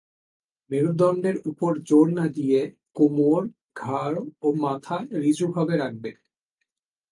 মেরুদণ্ডের উপর জোর না দিয়ে কোমর, ঘাড় ও মাথা ঋজুভাবে রাখবে।